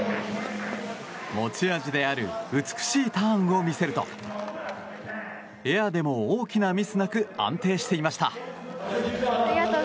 持ち味である美しいターンを見せるとエアでも、大きなミスなく安定していました。